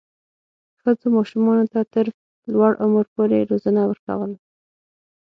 ښځو ماشومانو ته تر لوړ عمر پورې روزنه ورکوله.